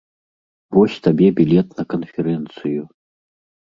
Вось табе білет на канферэнцыю.